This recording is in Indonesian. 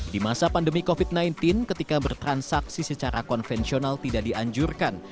di masa pandemi covid sembilan belas ketika bertransaksi secara konvensional tidak dianjurkan